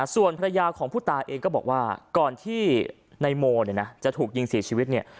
ส่วนภรรยาของผู้ตายเองก็บอกว่าก่อนที่นายโมเนี่ยนะจะถูกยิงเสียชีวิตเนี่ย